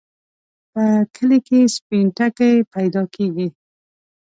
په کلي کې سپين ټکی پیدا کېږي.